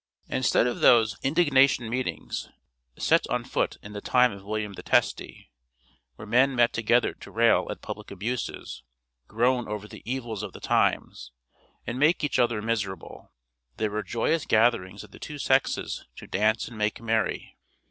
Instead of those "indignation meetings" set on foot in the time of William the Testy, where men met together to rail at public abuses, groan over the evils of the times, and make each other miserable, there were joyous gatherings of the two sexes to dance and make merry.